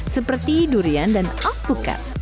seperti durian dan apukat